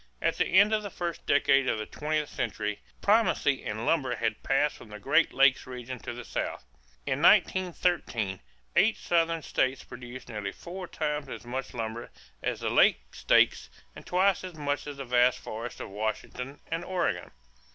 At the end of the first decade of the twentieth century, primacy in lumber had passed from the Great Lakes region to the South. In 1913 eight Southern states produced nearly four times as much lumber as the Lake states and twice as much as the vast forests of Washington and Oregon.